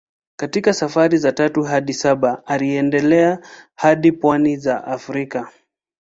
Katika safari za tatu hadi saba aliendelea hadi pwani za Afrika.